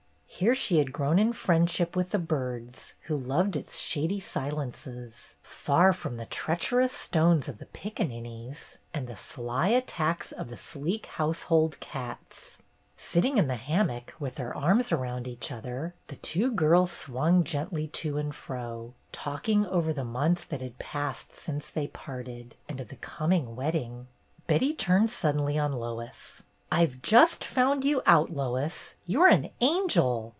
Here she had grown in friendship with the birds, who loved its shady silences, far from the treacherous stones of the piccaninnies and the sly attacks of the sleek household cats. Sitting in the hammock, with their arms around each other, the two girls swung gently to and fro, talking over the months that had passed since they parted, and of the coming wedding. 28 o BETTY BAIRD'S GOLDEN YEAR Betty turned suddenly on Lois. "I just found you out, Lois. You Ye an angel